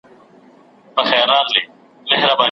زه وېرېدم له اشارو د ګاونډیانو څخه